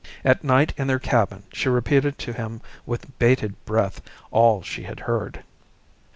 At night in their cabin she repeated to him with bated breath all she had heard.